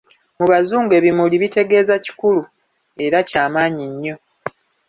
Mu bazungu ebimuli kitegeeza kikulu era kya maanyi nnyo.